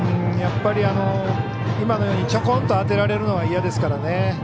やっぱり今のようにちょこんと当てられるのが嫌ですからね。